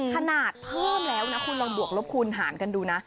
ขนาดเพิ่มแล้วนะคุณลองบวกลบคูณหารกันดูนะ